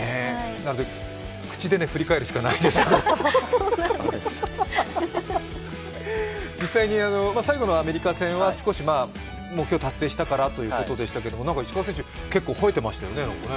なので口で振り返るしかないんですけど実際に、最後のアメリカ戦は少し目標を達成したということでしたけど石川選手、結構ほえてましたよね。